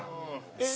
えっ？